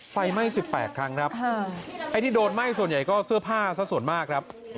ไฟไหม้๑๘ครั้งครับไอ้ที่โดนไหม้ส่วนใหญ่ก็เสื้อผ้าสักส่วนมากครับ